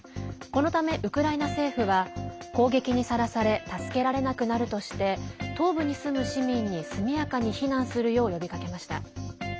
このため、ウクライナ政府は攻撃にさらされ助けられなくなるとして東部に住む市民に速やかに避難するよう呼びかけました。